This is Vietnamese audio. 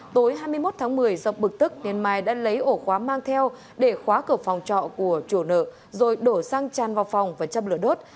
tối hai mươi một tháng một mươi do bực tức nên mai đã lấy ổ khóa mang theo để khóa cửa phòng trọ của chủ nợ rồi đổ xăng chan vào phòng và châm lửa đốt